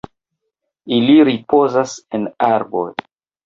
Ili ripozas en arboj.